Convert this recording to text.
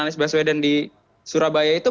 anies baswedan di surabaya itu